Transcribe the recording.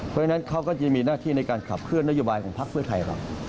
เพราะฉะนั้นเขาก็จะมีหน้าที่ในการขับเคลื่อนนโยบายของพักเพื่อไทยเรา